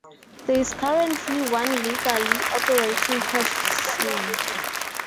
There is currently one legally operating casino.